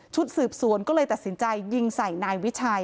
สืบสวนก็เลยตัดสินใจยิงใส่นายวิชัย